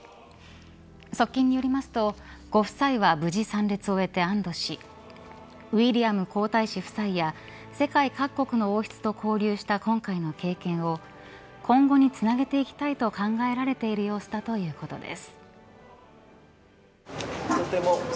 側近によりますとご夫妻は無事参列を終えて安堵しウィリアム皇太子夫妻や世界各国の王室と交流した今回の経験を今後につなげていきたいと考えられているご様子だということです。